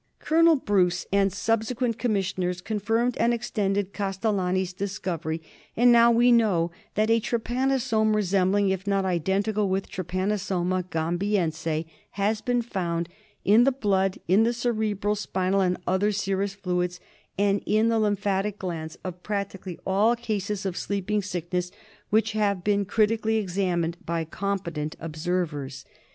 Colonel Bruce and subsequent commissioners con firmed and extended Castellani's discovery ; and now we know that a trypanosome resembling if not identical with Try^^uQsojim__^gAmHeme has been found in the blood, in the cerebro spinal and other serous fluids, and in the lymphatic glands of practically all cases of Sleeping Sickness which have been critically examined by compe tent observers.